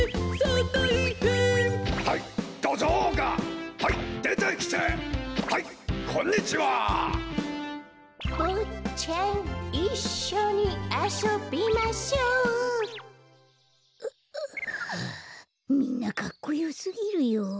たいへんはいどじょうがはいでてきてはいこんにちはぼっちゃんいっしょにあそびましょうはあみんなかっこよすぎるよ。